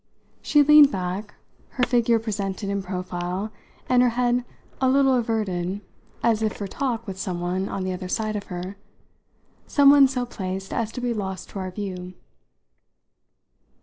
She leaned back, her figure presented in profile and her head a little averted as if for talk with some one on the other side of her, someone so placed as to be lost to our view.